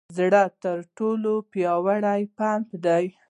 زړه تر ټولو پیاوړې پمپ دی.